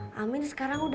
kamu kira keras gunaku